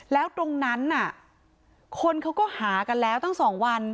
แล้วตรงนั้นน่ะคนเขาก็หากันแล้วตั้ง๒วัน